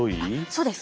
そうです。